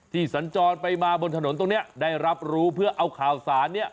สัญจรไปมาบนถนนตรงนี้ได้รับรู้เพื่อเอาข่าวสารเนี่ย